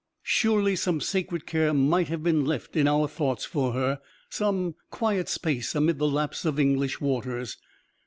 Surely, some sacred care might have been left in our thoughts for her; some quiet space amid the lapse of English waters!